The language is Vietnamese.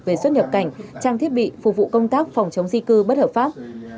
về xuất nhập cảnh trang thiết bị phục vụ công tác phòng chống di cư bất hợp pháp